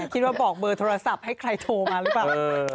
ว่าบอกเบอร์โทรศัพท์ให้ใครโทรมาหรือเปล่า